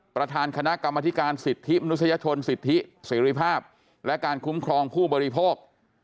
ประธานคณะกรรมธิการสิทธิมนุษยชนสิทธิเสรีภาพและการคุ้มครองผู้บริโภค